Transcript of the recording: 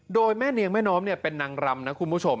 โดยแม่เนียงแม่น้อมเป็นนางรำนะคุณผู้ชม